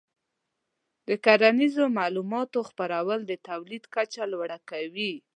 د کرنیزو معلوماتو خپرول د تولید کچه لوړه کوي.